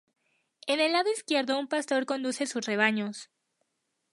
En el lado izquierdo un pastor conduce sus rebaños.